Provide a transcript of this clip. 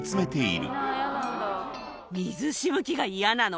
水しぶきが嫌なの。